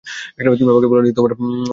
তুমি আমাকে বলোনি তোমার গার্লফ্রেন্ড আছে।